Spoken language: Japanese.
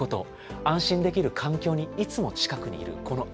安心できる環境にいつも近くにいるこの安心感。